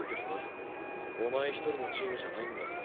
お前一人のチームじゃないんだから。